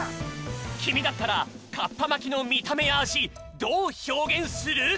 きみだったらカッパまきのみためやあじどうひょうげんする？